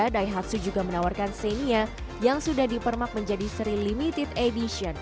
daihatsu juga menawarkan semia yang sudah dipermak menjadi seri limited edition